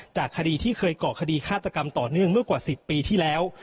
จากคดีที่เคยเกาะคดีฆาตกรรมต่อเนื่องเมื่อกว่า๑๐ปีที่แล้ว